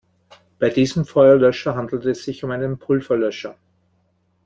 Bei diesem Feuerlöscher handelt es sich um einen Pulverlöscher.